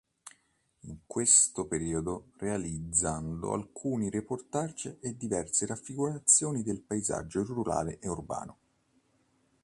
In questo periodo realizzando alcuni reportage e diverse raffigurazioni del paesaggio rurale e urbano.